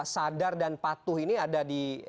sadar dan patuh ini ada di